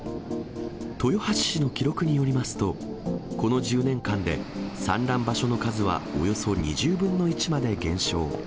豊橋市の記録によりますと、この１０年間で産卵場所の数は、およそ２０分の１まで減少。